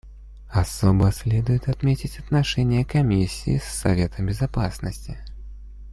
Особо следует отметить отношения Комиссии с Советом Безопасности.